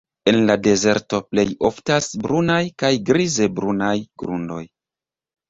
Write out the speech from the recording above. En la dezerto plej oftas brunaj kaj grize-brunaj grundoj.